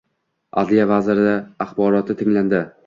Adliya vaziri axboroti tinglandi